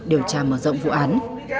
điều tra mở rộng vụ án